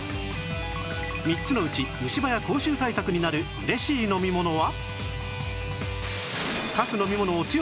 ３つのうち虫歯や口臭対策になる嬉しい飲み物は？